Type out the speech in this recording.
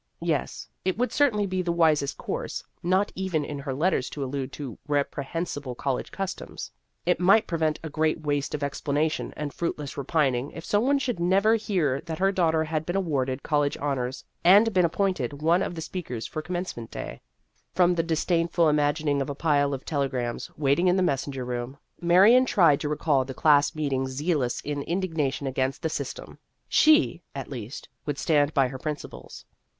Yes, it would certainly be the wisest course not even in her letters to allude to reprehen sible college customs. It might prevent a great waste of explanation and fruitless repining if some one should never hear that her daughter had been awarded col lege honors and been appointed one of the speakers for Commencement Day. The Career of a Radical 125 From disdainful imagining of a pile of telegrams waiting in the messenger room, Marion tried to recall the class meetings zealous in indignation against the system. She, at least, would stand by her principles.